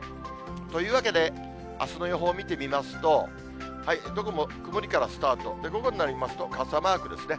というわけで、あすの予報見てみますと、どこも曇りからスタート、で、午後になりますと、傘マークですね。